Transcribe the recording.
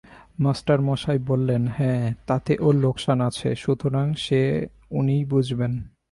মাস্টারমশায় বললেন, হাঁ, তাতে ওঁর লোকসান আছে, সুতরাং সে উনিই বুঝবেন।